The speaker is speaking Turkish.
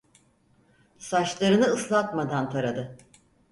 Saçlarını ıslatmadan taradı.